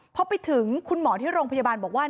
พอไปถึงคุณหมอที่โรงพยาบาลบอกว่า